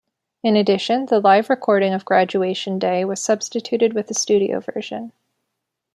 In addition, the live recording of "Graduation Day" was substituted with the studio version.